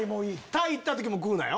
タイ行った時も食うなよ。